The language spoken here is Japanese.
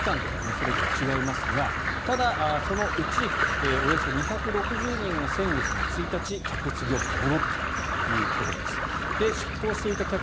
出向の期間とかそれぞれ違いますがただ、そのうちおよそ２６０人が先月１日、客室乗務に戻ったということです。